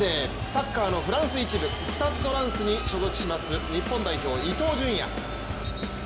サッカーのフランス１部スタッド・ランスに所属する日本代表・伊東純也。